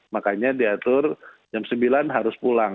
makanya diatur jam sembilan harus pulang